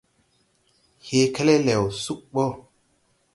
Hee kelɛlɛw sug ɓɔ.